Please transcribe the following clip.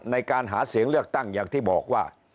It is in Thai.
ในการหาเสียงเลือกตั้งอย่างที่บอกว่า